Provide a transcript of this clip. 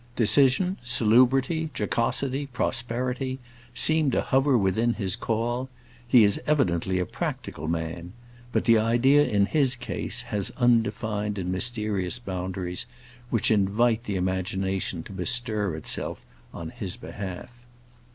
Decision, salubrity, jocosity, prosperity, seem to hover within his call; he is evidently a practical man, but the idea in his case, has undefined and mysterious boundaries, which invite the imagination to bestir itself on his behalf.